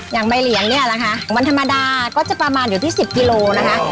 อย่างใบเหลียงเนี่ยนะคะวันธรรมดาก็จะประมาณอยู่ที่๑๐กิโลนะคะ